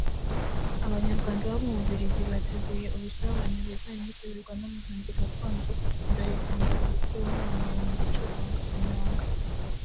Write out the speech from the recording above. Abanyarwanda baba mu Bubiligi bateguye ubusabane buzanitabirwa n’umuhanzi gakondo Nzayisenga Sophie wamamaye mu gucuranga inanga